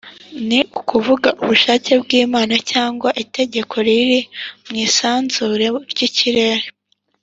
ni ukuvuga ubushake bw’imana cyangwa itegeko riri mu isanzure ry’ikirere,